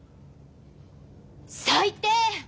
最低！